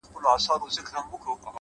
چي د ويښتانو په سرونو به يې مار وتړی;